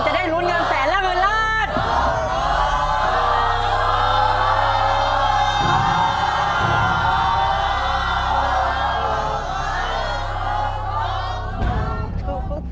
จะได้รุ้นเงินแสนและหมื่นราช